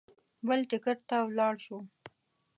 بل ټکټ ته ولاړ شو.